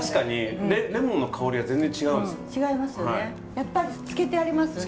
やっぱり漬けてありますよね